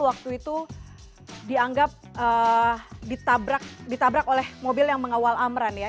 waktu itu dianggap ditabrak oleh mobil yang mengawal amran ya